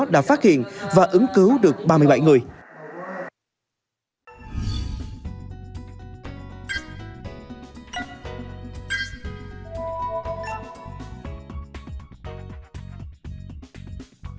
đã phát hiện và ứng cứu được ba mươi bảy người